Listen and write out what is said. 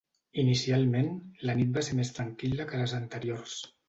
Inicialment, la nit va ser més tranquil·la que les anteriors.